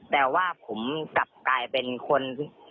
แต่ว่าผมกลับกลายเป็นคน